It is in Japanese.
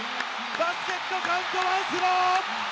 バスケットカウント、ワンスロー！